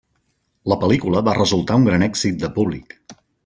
La pel·lícula va resultar un gran èxit de públic.